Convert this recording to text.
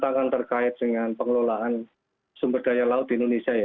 tentangnya adalah tantangan terkait dengan pengelolaan sumber daya laut di indonesia